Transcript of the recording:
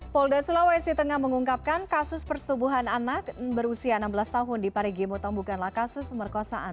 polda sulawesi tengah mengungkapkan kasus persetubuhan anak berusia enam belas tahun di parigi mutong bukanlah kasus pemerkosaan